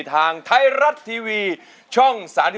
ทางไทยรัฐทีวีช่อง๓๒